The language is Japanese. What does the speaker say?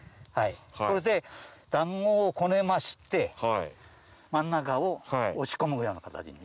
これで団子をこねまして真ん中を押し込むような形に。